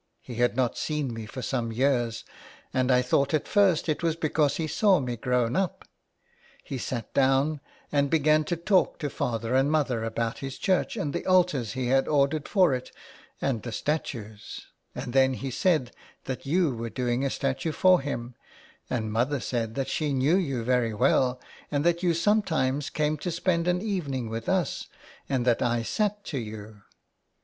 He had not seen me for some years, and I thought at first it was because he saw me grown up. He sat down, and began to talk to father and mother about his church, and the altars he had ordered for it, and the statues, and then he said that you were doing a statue for him, and mother said that she knew you very well, and that you sometimes came to spend an evening with us, and that I sat to you.